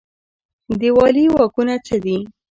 د والي واکونه څه دي؟